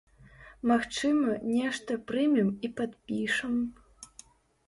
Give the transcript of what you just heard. Магчыма, нешта прымем і падпішам.